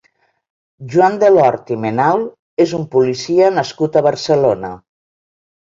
Joan Delort i Menal és un policia nascut a Barcelona.